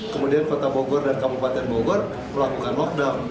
kemudian kota bogor dan kabupaten bogor melakukan lockdown